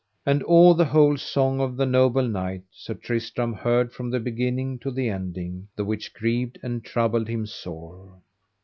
And all the whole song the noble knight, Sir Tristram, heard from the beginning to the ending, the which grieved and troubled him sore.